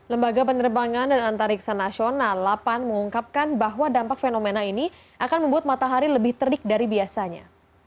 lembaga penerbangan dan antariksa nasional delapan mengungkapkan bahwa dampak fenomena ini akan membuat matahari lebih terik dari biasanya